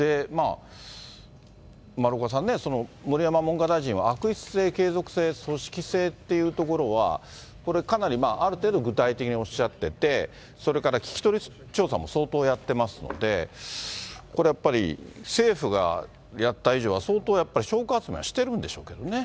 丸岡さんね、盛山文科大臣は悪質性、継続性、組織性っていうところは、これ、かなりある程度、具体的におっしゃってて、それから聞き取り調査も相当やっていますので、これやっぱり、政府がやった以上は、相当、証拠集めもしていると思いますけれどもね。